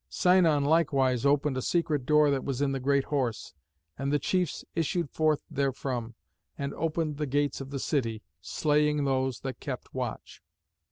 Sinon likewise opened a secret door that was in the great Horse, and the chiefs issued forth therefrom, and opened the gates of the city, slaying those that kept watch.